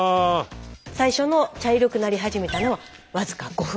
最初の茶色くなり始めたのは僅か５分後でした。